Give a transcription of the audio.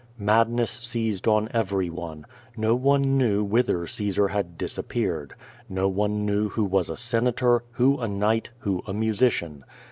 Madness seized on every one. No one knew whither Caesar had disappeared. No one knew who was a senator, who a knight, who a musician.